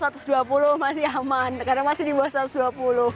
satu ratus dua puluh masih aman karena masih di bawah satu ratus dua puluh